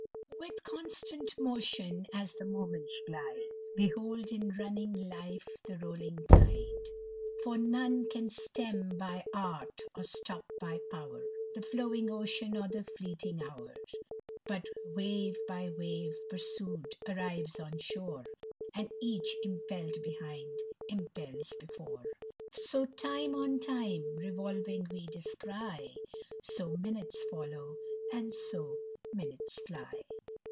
'* With constant motion as the moments glide. Behold in running life the rolling tide ! For none can stem by art, or stop by pow'r. The flowing ocean, or the fleeting hour : But wave by wave pursued arrives on shore, And each impell'd behind impels before : So time on time revolving we descry ; So minutes follow, and so minutes fly."